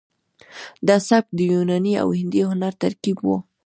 دا سبک د یوناني او هندي هنر ترکیب و